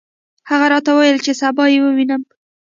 هغه راته وویل چې سبا یې ووینم.